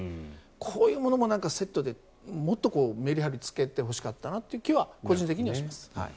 こういうものもセットでメリハリつけてほしかったなという気は個人的にはします。